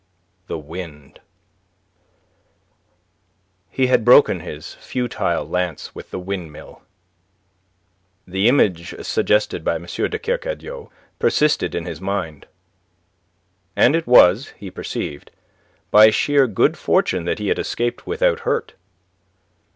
THE WIND He had broken his futile lance with the windmill the image suggested by M. de Kercadiou persisted in his mind and it was, he perceived, by sheer good fortune that he had escaped without hurt.